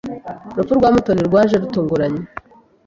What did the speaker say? Urupfu rwa Mutoni rwaje rutunguranye.